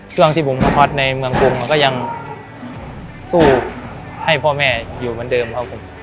ช่วงที่ผมมาพักในเมืองกรุงเราก็ยังสู้ให้พ่อแม่อยู่เหมือนเดิมครับผม